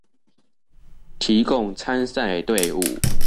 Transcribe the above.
提供參賽隊伍